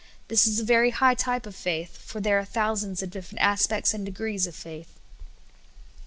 This is a very high type of faith, for there are thousands of different aspects and degrees of faith.